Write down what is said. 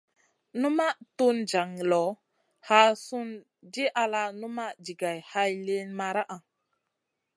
Numaʼ tun jaŋ loʼ, haa sùn di ala numaʼ jigay hay liyn maraʼa.